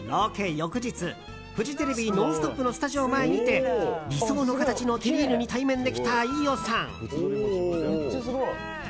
翌日フジテレビ「ノンストップ！」のスタジオ前にて理想の形のテリーヌに対面できた飯尾さん。